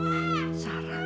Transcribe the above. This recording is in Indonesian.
jangan bapak bapak